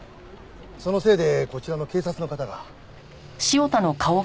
そのせいでこちらの警察の方が。